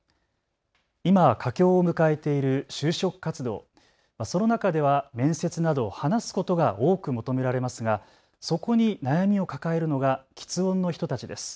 今、佳境を迎えている就職活動、その中では面接など話すことが多く求められますがそこに悩みを抱えるのが、きつ音の人たちです。